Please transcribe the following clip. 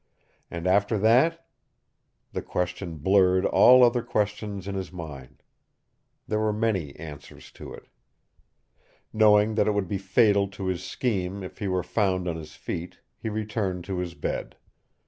And after that? The question blurred all other questions in his mind. There were many answers to it. Knowing that it would be fatal to his scheme if he were found on his feet, he returned to his bed.